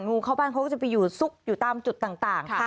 งูเข้าบ้านเขาก็จะไปอยู่ซุกอยู่ตามจุดต่าง